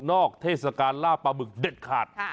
เทศกาลล่าปลาหมึกเด็ดขาด